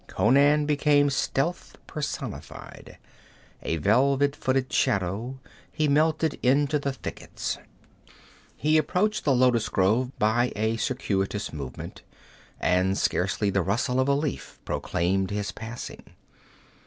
Conan became stealth personified. A velvet footed shadow, he melted into the thickets. He approached the lotus grove by a circuitous movement, and scarcely the rustle of a leaf proclaimed his passing.